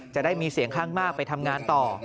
จะได้มีเสียงข้างมากไปทำงานต่อ